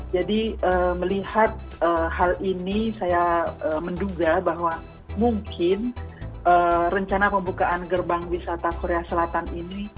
jadi melihat hal ini saya menduga bahwa mungkin rencana pembukaan gerbang wisata korea selatan ini